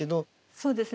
そうですね。